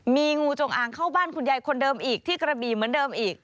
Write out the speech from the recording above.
มีงูจงอางเข้าบ้านคุณยายคนเดิมอีกที่กระบี่เหมือนเดิมอีก